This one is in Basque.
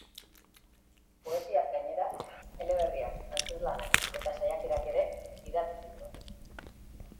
Poesiaz gainera, eleberriak, antzezlanak eta saiakerak ere idatzi zituen.